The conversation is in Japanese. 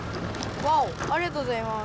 わおありがとうございます。